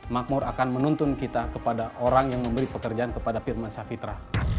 makmur akan menuntun kita kepada orang yang memberi pekerjaan kepada firman safitra